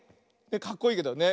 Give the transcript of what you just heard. かっこいいけど。ね。